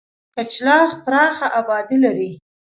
کچلاغ پراخه آبادي لري.